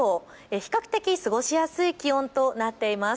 比較的過ごしやすい気温となっています。